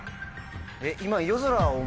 えっ今。